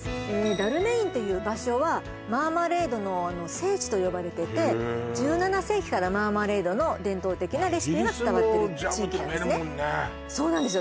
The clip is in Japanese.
ダルメインっていう場所はマーマレードの聖地と呼ばれていて１７世紀からマーマレードの伝統的なレシピが伝わってる地域なんですねイギリスもジャム食べるもんねそうなんですよ